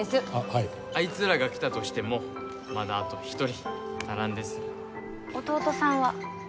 はいあいつらが来たとしてもまだあと一人足らんです弟さんは？